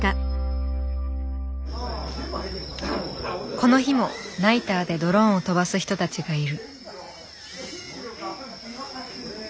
この日もナイターでドローンを飛ばす人たちがいる。